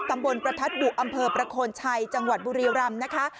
ประทัดบุอำเภอประโคนชัยจังหวัดบุรีรำนะคะ